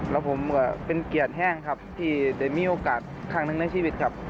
แล้วผมก็เป็นเกียรติแห้งครับที่ได้มีโอกาสข้างหนึ่งในชีวิตครับ